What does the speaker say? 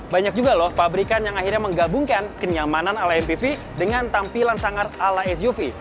banyak juga loh pabrikan yang akhirnya menggabungkan kenyamanan ala mpv dengan tampilan sangar ala suv